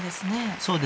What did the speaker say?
そうですね。